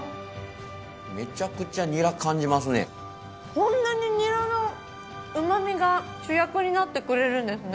こんなにニラのうまみが主役になってくれるんですね。